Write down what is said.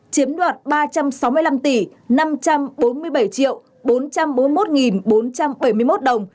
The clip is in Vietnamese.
chiếm đoạt ba trăm sáu mươi năm tỷ năm trăm bốn mươi bảy triệu đồng